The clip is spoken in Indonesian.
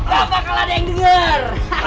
gak bakal ada yang denger